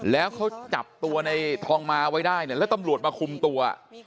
แล้วเขาจับตัวในทองมาไว้ได้เนี่ยแล้วตำรวจมาคุมตัว